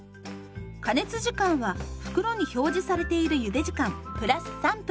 加熱時間は袋に表示されているゆで時間プラス３分。